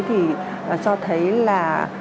thì cho thấy là